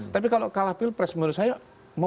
tapi kalau kalah pilpres menurut saya